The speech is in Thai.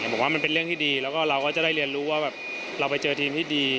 แต่ผมว่ามันเป็นเรื่องที่ดีแล้วก็เราก็จะได้เรียนรู้ว่าเราไปเจอทีมที่ดี